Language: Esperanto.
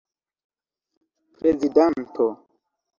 prezidanto